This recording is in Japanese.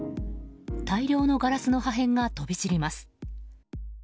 大量のガラスの破片が飛び散ります。